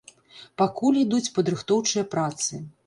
Пакуль ідуць падрыхтоўчыя працы.